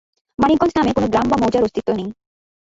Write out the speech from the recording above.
মানিকগঞ্জ নামে কোন গ্রাম বা মৌজার অস্তিত্ব নেই।